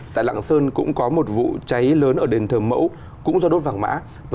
tại lạng sơn cũng có một vụ cháy lớn ở đền thờ mẫu cũng do đốt vàng mã